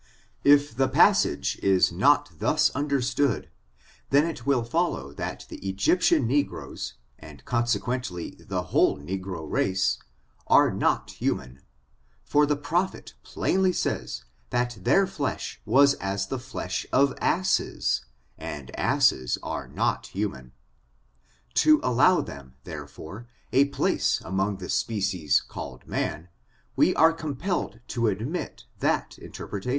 If the passage is not thus understood, then it will follow that the Egyptian negroes, and consequently the whole negro race, are not human; for the proph et plainly says, that their flesh was as the flesh of asses; and asses are not human. To allow them, therefore, a place among the species called man, we are compelled to admit that interpretation.